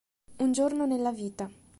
Un giorno nella vita